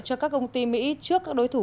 cho các công ty mỹ trước các đối thủ